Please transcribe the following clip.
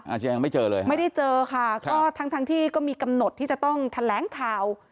จะยังไม่เจอเลยค่ะไม่ได้เจอค่ะก็ทั้งทั้งที่ก็มีกำหนดที่จะต้องแถลงข่าว